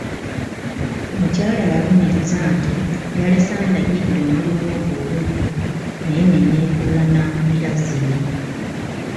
Mukyala yalumiriza nti yalese andagidde omulimu ogwo olweggulo naye ne neefuula nnampulirazzibi.